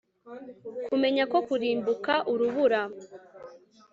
Kumenya ko kurimbuka urubura